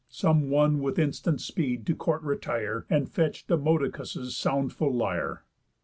Some one with instant speed to court retire, And fetch Demodocus's soundful lyre."